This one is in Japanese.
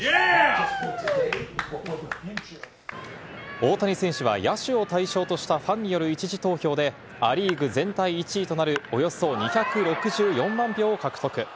大谷選手は野手を対象としたファンによる１次投票でア・リーグ全体１位となる、およそ２６４万票を獲得。